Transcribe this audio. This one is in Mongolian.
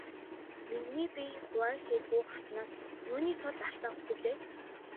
Миний бие Хуванхэхү хатнаас юуны тулд алт авах билээ?